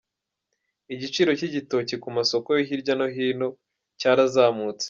Igiciro cy’igitoki ku masoko yo hirya no hino mu Rwanda cyarazamutse.